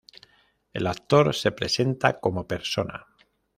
El actor se presenta como persona.